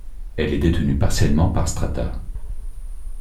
Elle est détenue partiellement par Xstrata.